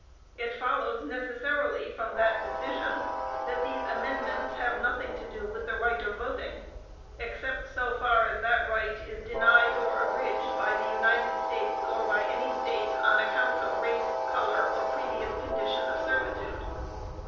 It follows necessarily from that decision, that these amendments have nothing to do with the right of voting, except so far as that right "_is denied or abridged by the United States, or by any State, on account of race, color, or previous condition of servitude_."